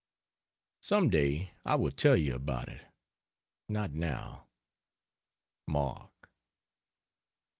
Some day I will tell you about it, not now. MARK.